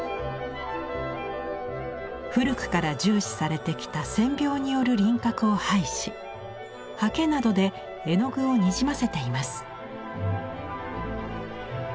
古くから重視されてきた線描による輪郭を排し刷毛などで絵の具をにじませています。